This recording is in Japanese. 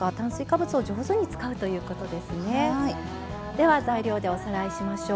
では材料でおさらいしましょう。